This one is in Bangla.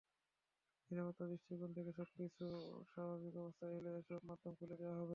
নিরাপত্তার দৃষ্টিকোণ থেকে সবকিছু স্বাভাবিক অবস্থায় এলে এসব মাধ্যম খুলে দেওয়া হবে।